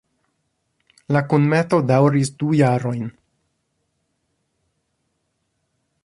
La kunmeto daŭris du jarojn.